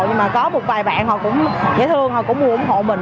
nhưng mà có một vài bạn họ cũng dễ thương họ cũng ủng hộ mình